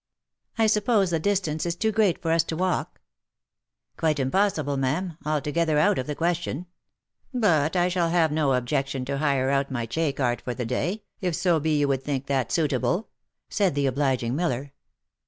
I suppose the distance is too great for us to walk ?" as OF MICHAEL ARMSTRONG. 253 " Quite impossible, ma'am — altogether out of the question. But I shall have no objection to hire out my chay cart for the day, if so be you would think that suitable," said the obliging miller.